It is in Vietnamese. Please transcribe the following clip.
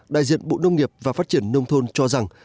đại diện bộ nông nghiệp và phát triển nông thôn cho rằng